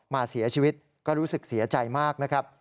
มาเสียชีวิตก็รู้สึกเสียใจมากนะครับ